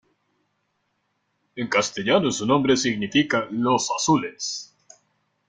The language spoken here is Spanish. En castellano su nombre significa "Los Azules".